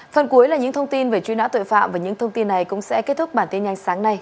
phần cuối là những thông tin về truy nã tội phạm và những thông tin này cũng sẽ kết thúc bản tin nhanh sáng nay